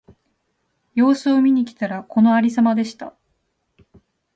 様子を見に来たら、このありさまでした。